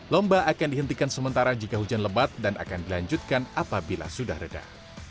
lomba akan dihentikan sementara jika hujan lebat dan akan dilanjutkan apabila sudah reda